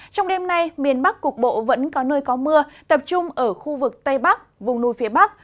trong đêm nay miền bắc cục bộ vẫn có nơi có mưa tập trung ở khu vực tây bắc vùng núi phía bắc